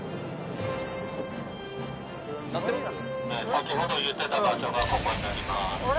先ほど言ってた場所がここになります。